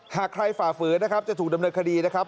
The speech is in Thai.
หากใครฝ่าฝืนนะครับจะถูกดำเนินคดีนะครับ